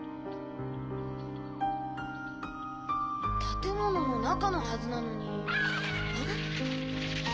建物の中のはずなのに。